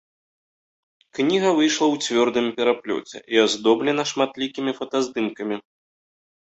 Кніга выйшла ў цвёрдым пераплёце і аздоблена шматлікімі фотаздымкамі.